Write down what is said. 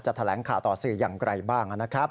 แถลงข่าวต่อสื่ออย่างไรบ้างนะครับ